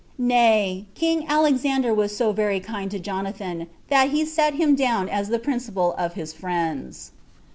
Nay, king Alexander was so very kind to Jonathan, that he set him down as the principal of his friends.